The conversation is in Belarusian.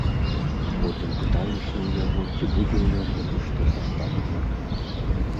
Потым пытаюся ў яго, ці будзе ў яго рэшта са ста долараў.